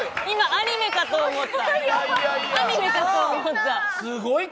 アニメかと思った。